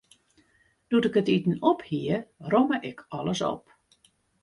Doe't ik it iten op hie, romme ik alles op.